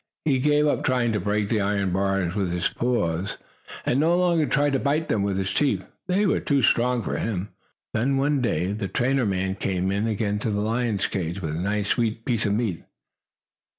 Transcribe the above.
He gave up trying to break the iron bars with his paws, and no longer tried to bite them with his teeth. They were too strong for him. Then, one day, the trainer man came again to the lion's cage, with a nice, sweet piece of meat.